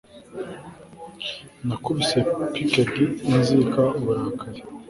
Nakubiswe piqued inzika uburakari